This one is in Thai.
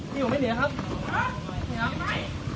ที่ของไม่เหนียวครับห้ะ